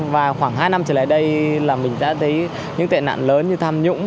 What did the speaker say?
và khoảng hai năm trở lại đây là mình đã thấy những tệ nạn lớn như tham nhũng